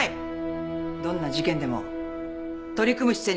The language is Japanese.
どんな事件でも取り組む姿勢に変わりはない。